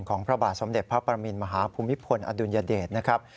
พระบาทสมเด็จพระปรมินมหาภูมิพลอดุลยเดชนะครับ